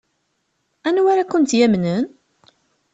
Anwa ara kent-yamnen?